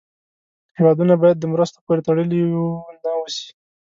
هېوادونه باید د مرستو پورې تړلې و نه اوسي.